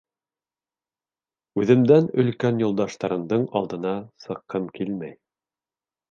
Үҙемдән өлкән юлдаштарымдың алдына сыҡҡым килмәй.